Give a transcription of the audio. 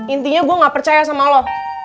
intinya gue gak percaya sama lo